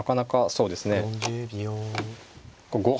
そうですね。